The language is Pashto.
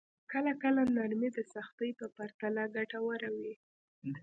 کله کله نرمي د سختۍ په پرتله ګټوره وي.